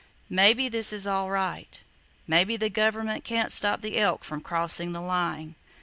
Maybe this is all right. Maybe the government can't stop the elk from crossing the line.